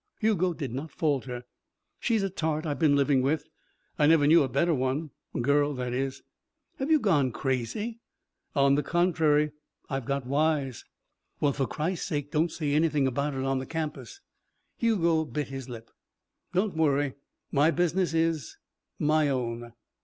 Hugo did not falter. "She's a tart I've been living with. I never knew a better one girl, that is." "Have you gone crazy?" "On the contrary, I've got wise." "Well, for Christ's sake, don't say anything about it on the campus." Hugo bit his lip. "Don't worry. My business is my own."